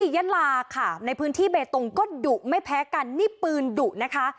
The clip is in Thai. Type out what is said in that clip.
ยะลาค่ะในพื้นที่เบตงก็ดุไม่แพ้กันนี่ปืนดุนะคะ